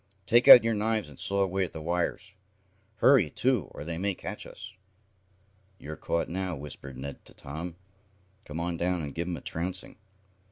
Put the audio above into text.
Take out your knives and saw away at the wires. Hurry, too, or they may catch us." "You're caught now," whispered Ned to Tom. "Come on down, and give 'em a trouncing."